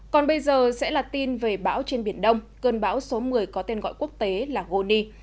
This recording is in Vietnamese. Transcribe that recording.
còn bây giờ sẽ là tin về bão trên biển đông cơn bão số một mươi có tên gọi quốc tế là goni